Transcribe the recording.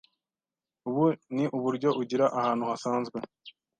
Ubu ni uburyo ugira ahantu hasanzwe,